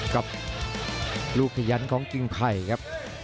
กับลูกขยันของกิ่งไผ่ครับ